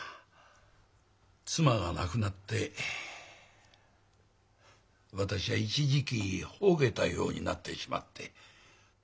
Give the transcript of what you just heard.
妻が亡くなって私は一時期ほうけたようになってしまって。